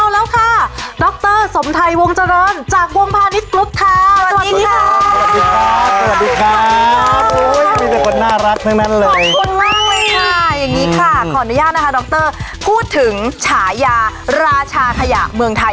แล้วตอนนี้ค่ะราชาขยะเมืองไทย